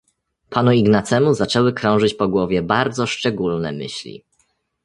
"Panu Ignacemu zaczęły krążyć po głowie bardzo szczególne myśli."